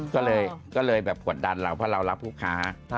ก็เลยแบบกดดันเราเพราะเรารับผู้ค้า